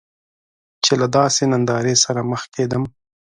چې له داسې نندارې سره مخ کیدم.